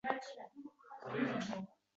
Bolangizga nima yoqadi.